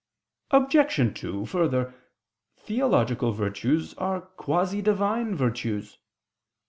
Obj. 2: Further, theological virtues are quasi Divine virtues.